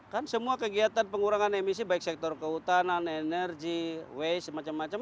kan semua kegiatan pengurangan emisi baik sektor kehutanan energi waste semacam macam